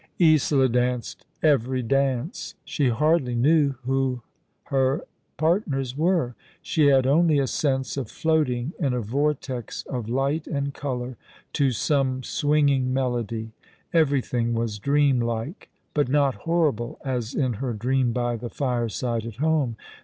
Isola danced every dance. She hardly kncv^ who her partners were. She had only a Eense of floating in a vortex of light and colour, to some swinging melody. Everything was dream like — but not horrible, as in her dream by tho fireside at home.